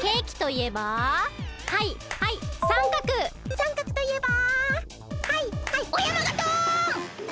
さんかくといえばはいはいおやまがドーン！